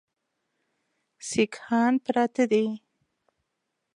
سیکهان پراته دي.